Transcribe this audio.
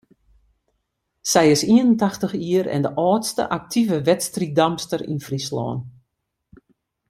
Sy is ien en tachtich jier en de âldste aktive wedstriiddamster yn Fryslân.